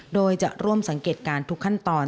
โดยจะร่วมสังเกตการณ์ทุกขั้นตอน